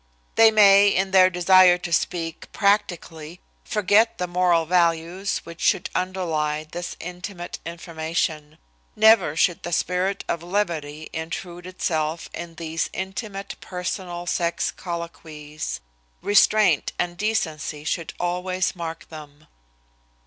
They may, in their desire to speak practically, forget the moral values which should underlie this intimate information. Never should the spirit of levity intrude itself in these intimate personal sex colloquies. Restraint and decency should always mark them.